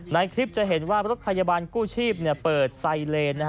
ในคลิปจะเห็นว่ารถพยาบาลกู้ชีพเปิดไซเลน